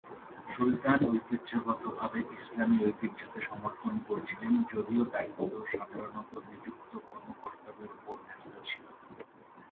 সুলতান ঐতিহ্যগতভাবে ইসলামী ঐতিহ্যকে সমর্থন করছিলেন, যদিও দায়িত্ব সাধারণত নিযুক্ত কর্মকর্তাদের উপর ন্যস্ত ছিল।